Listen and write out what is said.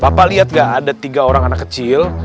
papa liat gak ada tiga orang anak kecil